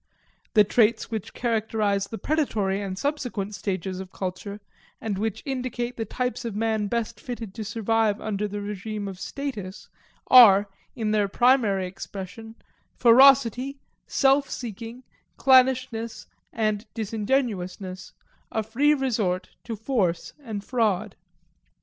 The traits which characterize the predatory and subsequent stages of culture, and which indicate the types of man best fitted to survive under the regime of status, are (in their primary expression) ferocity, self seeking, clannishness, and disingenuousness a free resort to force and fraud.